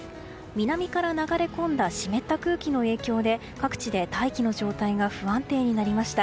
南から流れ込んだ湿った空気の影響で各地で大気の状態が不安定になりました。